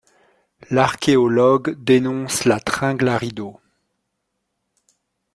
L'archéologue dénonce la tringle à rideaux.